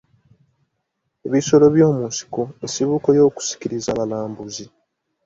Ebisolo byomunsiko nsibuko y'okusikiriza abalambuzi.